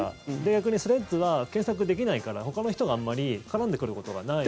逆にスレッズは検索できないからほかの人があんまり絡んでくることがないので。